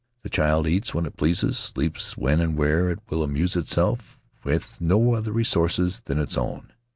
The child eats when it pleases, sleeps when and where it will, amuses itself with no other resources than its own.